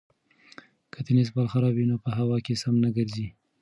که د تېنس بال خراب وي نو په هوا کې سم نه ګرځي.